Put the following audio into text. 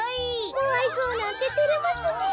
モアイぞうなんててれますねえ。